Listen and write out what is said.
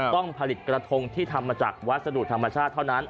ต้องผลิตกระทงที่ทำมาจากวัสดุธรรมชาติเท่านั้น